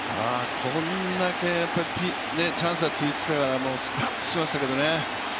こんだけチャンスが続いてたからスカットしましたけどね。